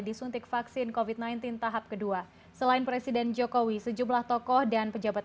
disuntik vaksin covid sembilan belas tahap kedua selain presiden jokowi sejumlah tokoh dan pejabat